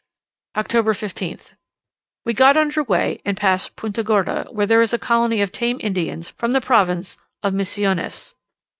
October 15th. We got under way and passed Punta Gorda, where there is a colony of tame Indians from the province of Missiones.